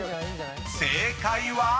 ［正解は？］